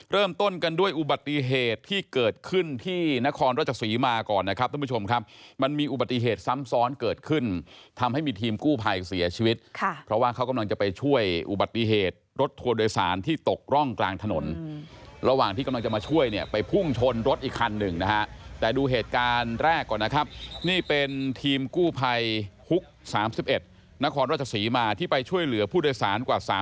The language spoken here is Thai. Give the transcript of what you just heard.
เริ่มต้นกันด้วยอุบัติเหตุที่เกิดขึ้นที่นครรัชสีมาก่อนนะครับท่านผู้ชมครับมันมีอุบัติเหตุซ้ำซ้อนเกิดขึ้นทำให้มีทีมกู้ภัยเสียชีวิตค่ะเพราะว่าเขากำลังจะไปช่วยอุบัติเหตุรถทัวร์โดยสารที่ตกร่องกลางถนนระหว่างที่กำลังจะมาช่วยเนี่ยไปพุ่งชนรถอีกครั้งหนึ่งนะฮะแต่ดูเหตุการณ์แรกก่